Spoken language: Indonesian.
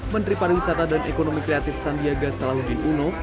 menteri pariwisata dan ekonomi kreatif sandiaga salahuddin uno